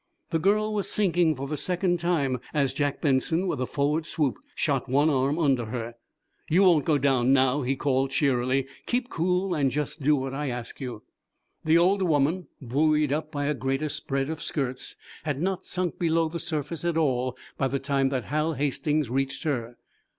The girl was sinking for the second time as Jack Benson, with a forward swoop, shot one arm under her. "You won't go down now," he called, cheerily. "Keep cool and just do what I ask you." The older woman, buoyed up by a greater spread of skirts, had not sunk below the surface at all by the time that Hal Hastings reached her.